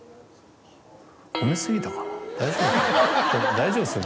大丈夫ですよ